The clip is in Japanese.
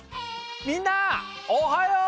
みんなおはよう！